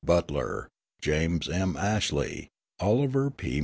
Butler, James M. Ashley, Oliver P.